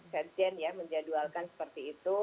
sekjen ya menjadwalkan seperti itu